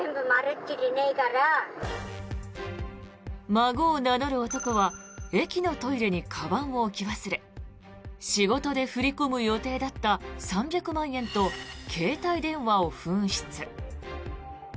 孫を名乗る男は駅のトイレにかばんを置き忘れ仕事で振り込む予定だった３００万円と携帯電話を紛失。